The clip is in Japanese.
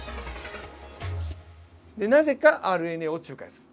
なぜかＲＮＡを仲介する。